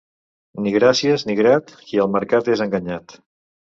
Ni gràcies ni grat qui al mercat és enganyat.